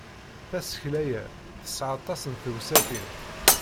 Tasekla-ya tesɛa aṭas n tewsatin.